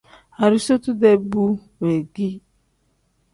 Arizotu-dee bu weegii.